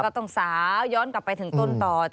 แล้วก็ต้องสาย้อนกลับไปถึงต้นต่อ